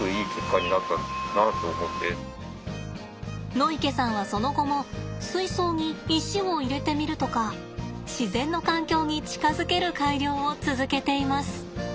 野池さんはその後も水槽に石を入れてみるとか自然の環境に近づける改良を続けています。